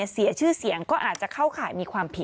เสียชื่อเสียงก็อาจจะเข้าข่ายมีความผิด